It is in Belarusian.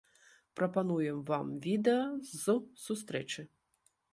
Прапануем вам відэа з сустрэчы.